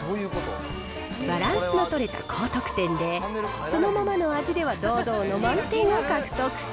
バランスの取れた高得点で、そのままの味では堂々の満点を獲得。